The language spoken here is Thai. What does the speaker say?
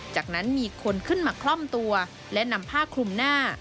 จากนั้นมีคนขึ้นมาคล่อมตัวและนำผ้าคลุมหน้า